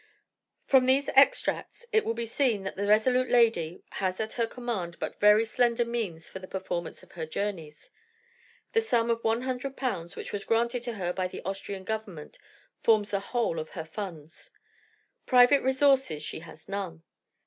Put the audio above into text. "From these extracts it will be seen that the resolute lady has at her command but very slender means for the performance of her journeys. The sum of 100 pounds, which was granted to her by the Austrian government, forms the whole of her funds. Private resources she has none.